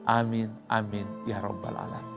amin amin ya roh bal alamin